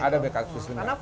ada backup systemnya